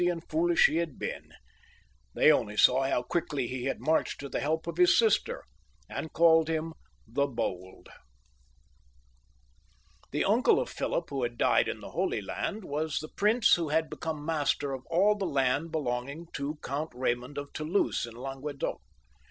] PHILIP IIL {LE HARDI), 126 and foolish he had been ; they only saw how quickly he r had marched to the help of his sister, and called him, as I said, " The Bold." The uncle of Philip who had died in the Holy Land, was the prince who had become master of all the land belonging to Count Eaymond of Toulouse, in Languedoc.